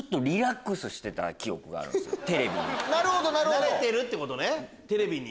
慣れてるってことねテレビに。